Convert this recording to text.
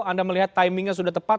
anda melihat timingnya sudah tepat